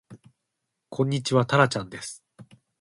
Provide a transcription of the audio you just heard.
こんにちはたらちゃんです